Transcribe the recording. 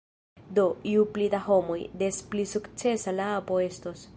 Do, ju pli da homoj, des pli sukcesa la apo estos